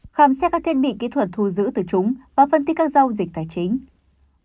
khám xét các thiết bị kỹ thuật thu giữ từ chúng và phân tích các giao dịch tài chính